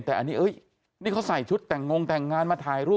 แต่อันนี้นี่เขาใส่ชุดแต่งงแต่งงานมาถ่ายรูป